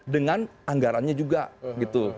dengan anggarannya juga gitu